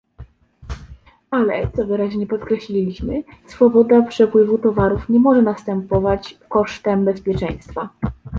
Ale - co wyraźnie podkreśliliśmy - swoboda przepływu towarów nie może następować kosztem bezpieczeństwa